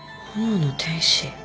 「炎の天使」？